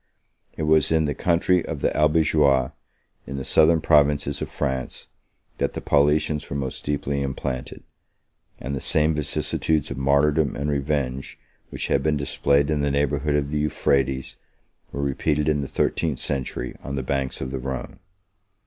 It was in the country of the Albigeois, 30 in the southern provinces of France, that the Paulicians were most deeply implanted; and the same vicissitudes of martyrdom and revenge which had been displayed in the neighborhood of the Euphrates, were repeated in the thirteenth century on the banks of the Rhone.